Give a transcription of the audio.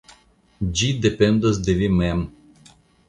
Ĝi dependos de vi mem.